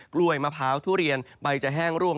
กล้วยมะพร้าวทุเรียนใบจะแห้งร่วง